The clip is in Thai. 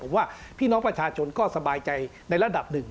ผมว่าพี่น้องประชาชนก็สบายใจในระดับหนึ่ง